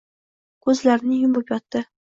Ko‘zlarini yumib yotdi.